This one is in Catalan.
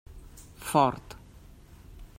Fort.